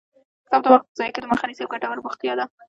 کتاب د وخت د ضایع کېدو مخه نیسي او ګټور بوختیا ده.